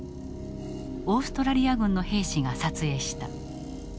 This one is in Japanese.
オーストラリア軍の兵士が撮影した。